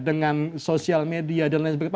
dengan sosial media dan lain sebagainya